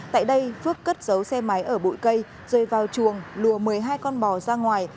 tại đây phước cất dấu xe máy ở bụi cây rơi vào chuồng lùa một mươi hai con bò ra ngoài